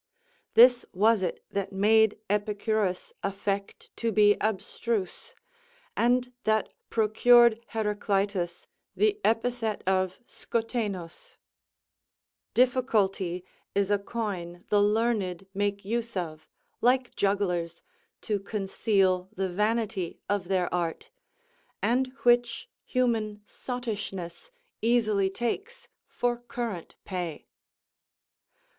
This was it that made Epicurus affect to be abstruse, and that procured Heraclitus the epithet of [ Greek ] Difficulty is a coin the learned make use of, like jugglers, to conceal the vanity of their art, and which human sottishness easily takes for current pay.